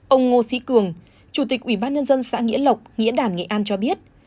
ông ngô sĩ cường chủ tịch ubnd xã nghĩa lộc nghĩa đàn nghĩa an cho biết